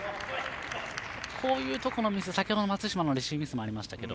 こういうところのミス先ほど、松島のレシーブミスもありましたけど